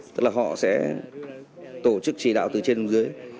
tức là họ sẽ tổ chức chỉ đạo từ trên xuống dưới